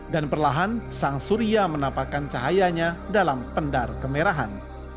dan perlahan sang surya menapakkan cahayanya dalam pendar kemerahan